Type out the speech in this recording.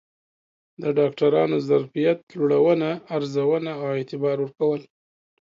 د ډاکترانو ظرفیت لوړونه، ارزونه او اعتبار ورکول